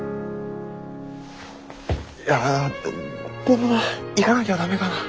いやでもな行かなきゃ駄目かな？